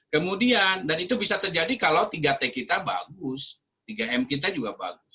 kemudian dan itu bisa terjadi kalau tiga t kita bagus tiga m kita juga bagus